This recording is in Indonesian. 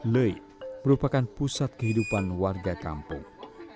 lei merupakan pusat kehidupan warga kampung